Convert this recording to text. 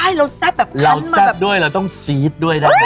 โหยิวมากประเด็นหัวหน้าแซ่บที่เกิดเดือนไหนในช่วงนี้มีเกณฑ์โดนหลอกแอ้มฟรี